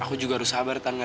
aku selalu berhenti